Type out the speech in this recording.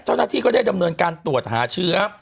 เจ้าหน้าที่ก็ได้ดำเนินการตรวจหาเชื้อ